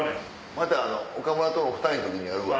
また岡村と２人の時にやるわ。